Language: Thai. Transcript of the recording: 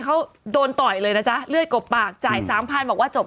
เขาโดนต่อยเลยนะจ๊ะเลือดกบปากจ่ายสามพันบอกว่าจบ